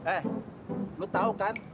eh lo tau kan